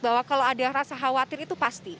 bahwa kalau ada rasa khawatir itu pasti